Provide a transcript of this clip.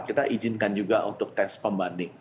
kita izinkan juga untuk tes pembanding